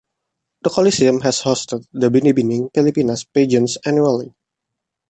The coliseum has hosted the Binibining Pilipinas pageants annually.